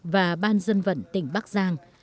và ban dân vận tỉnh bắc giang